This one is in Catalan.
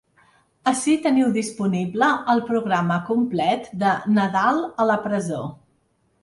Ací teniu disponible el programa complet de ‘Nadal a la presó’.